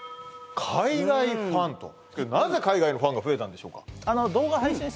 海外ファンとなぜ海外のファンが増えたんでしょう